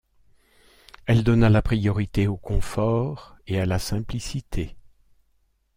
Elle donna la priorité au confort et à la simplicité.